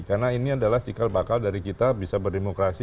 karena ini adalah sikal bakal dari kita bisa berdemokrasi